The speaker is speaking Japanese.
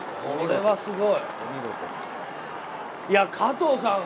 これはすごい！